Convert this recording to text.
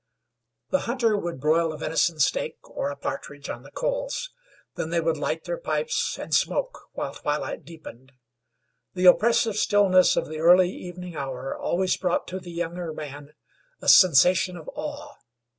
The hunter would broil a venison steak, or a partridge, on the coals. Then they would light their pipes and smoke while twilight deepened. The oppressive stillness of the early evening hour always brought to the younger man a sensation of awe.